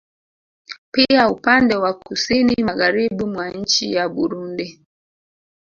Pia upande wa kusini Magharibi mwa nchi ya Burundi